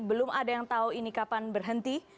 belum ada yang tahu ini kapan berhenti